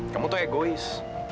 kamu tuh egois